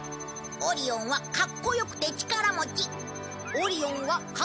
オリオンはカッコよくて力持ち。